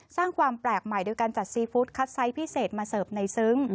สร้างความแปลกใหม่โดยการจัดซีฟู้ดคัดไซส์พิเศษมาเสิร์ฟในซึ้ง